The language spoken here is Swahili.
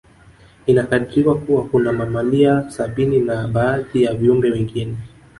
Inakadiriwa Kuwa kuna mamalia sabini na baadhi ya viumbe wengine